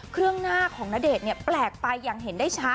เครื่องหน้าของณเดชน์แปลกไปอย่างเห็นได้ชัด